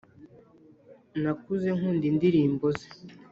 nakuze nkunda indirimbo ze,